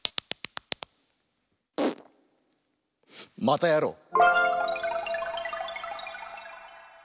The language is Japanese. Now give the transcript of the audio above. またやろう！